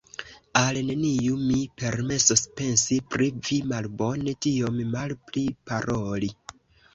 Al neniu mi permesos pensi pri vi malbone, tiom malpli paroli.